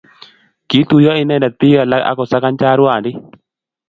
kituye inende biik alak akusakan chorwandit